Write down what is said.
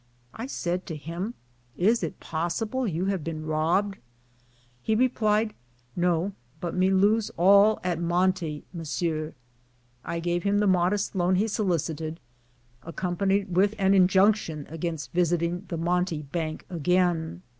I said to him, "Is it possible you have been robbed ?" He replied, " No, but me lose him all at monte, messieur." I gave him the modest loan he solicited, accompanied with an injunction against visit ing the monte bank again.